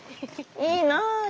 いいなあ。